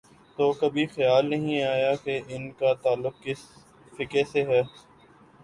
تو کبھی خیال نہیں آیا کہ ان کا تعلق کس فقہ سے ہے۔